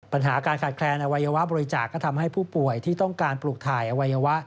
ปัญหาการขาดแคลนอวัยวะบริจาคก็ทำให้ผู้ป่วยที่ต้องการปลูกถ่ายอวัยวะ